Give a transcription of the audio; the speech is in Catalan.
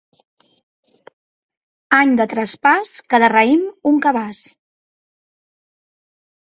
Any de traspàs, cada raïm un cabàs.